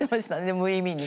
無意味に。